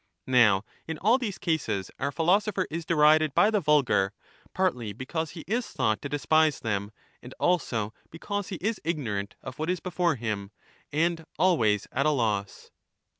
Now, in all these cases our philosopher is derided by the vulgar, partly because he is thought to despise them, and also because he is ignorant of what is before him, and always at a loss.